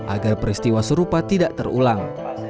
agar peristiwa serupa tidak terulang